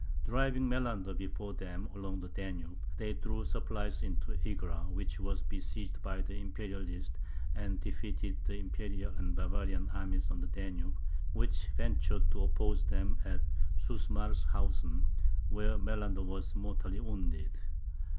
Driving Melander before them along the Danube, they threw supplies into Egra, which was besieged by the Imperialists, and defeated the Imperial and Bavarian armies on the Danube, which ventured to oppose them at Susmarshausen, where Melander was mortally wounded.